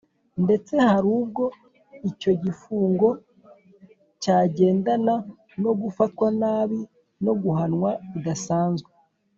nde tse hari ubwo icyo gifungo cyagendana no gufatwa nabi no guhanwa bidasanzwe.